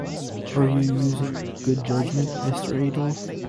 Are you using your good judgment, Mr. Adolf?